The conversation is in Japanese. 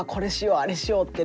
あれしようってね